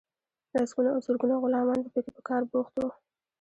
لسګونه او زرګونه غلامان به پکې په کار بوخت وو.